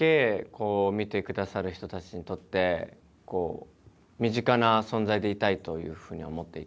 こう見てくださる人たちにとって身近な存在でいたいというふうには思っていて。